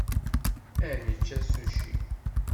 Ad necc asuci.